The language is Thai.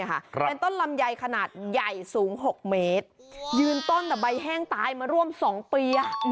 เป็นต้นลำไยขนาดใหญ่สูง๖เมตรยืนต้นแต่ใบแห้งตายมาร่วม๒ปี